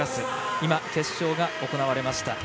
今、決勝が行われました。